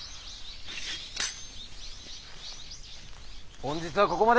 本日はここまで。